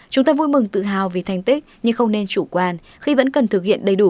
chúng ta vui mừng tự hào vì thành tích nhưng không nên chủ quan khi vẫn cần thực hiện đầy đủ